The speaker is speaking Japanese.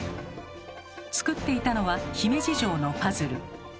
作っていたのは姫路城のパズル。